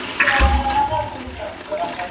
د ازل تقسيم باغوان يم پيدا کړی